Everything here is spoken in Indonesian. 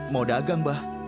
mau dagang bah